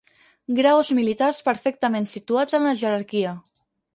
Graus militars perfectament situats en la jerarquia.